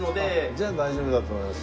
じゃあ大丈夫だと思います。